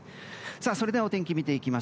それではお天気を見ていきます。